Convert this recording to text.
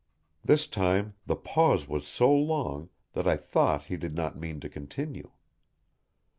This time the pause was so long that I thought he did not mean to continue.